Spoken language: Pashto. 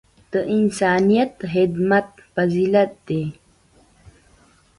د انسانیت خدمت فضیلت دی.